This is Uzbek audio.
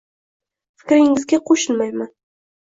Fikringizga qoʻshilmayman.